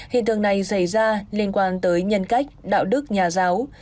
hiện tượng này xảy ra liên quan tới nhân cách đạo đức nhà giáo